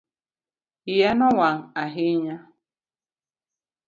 Iya no wang' ahinya